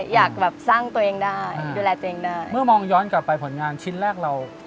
อยากแบบสร้างตัวเองได้ดูแลตัวเองได้เมื่อมองย้อนกลับไปผลงานชิ้นแรกเรา